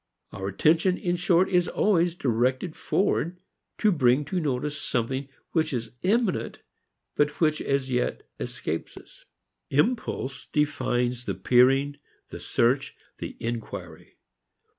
Our attention in short is always directed forward to bring to notice something which is imminent but which as yet escapes us. Impulse defines the peering, the search, the inquiry.